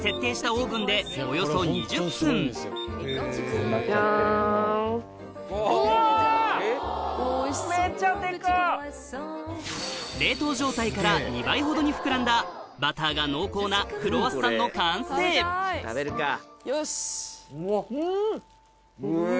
作り方は超簡単冷凍状態から２倍ほどに膨らんだバターが濃厚なクロワッサンの完成うわ！